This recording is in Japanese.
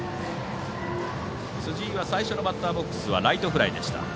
辻井は最初のバッターボックスはライトフライでした。